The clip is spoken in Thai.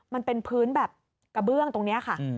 มันเป็นพื้นแบบกระเบื้องตรงนี้ค่ะ